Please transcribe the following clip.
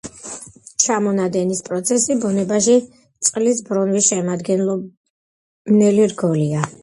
ჩამონადენის პროცესი ბუნებაში წყლის ბრუნვის შემადგენელი რგოლია.